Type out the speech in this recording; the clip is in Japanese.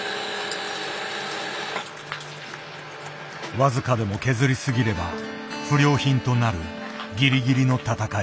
僅かでも削り過ぎれば不良品となるギリギリの闘い。